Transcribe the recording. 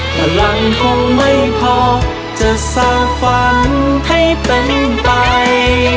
พลังคงไม่พอจะสร้างฝันให้เป็นไป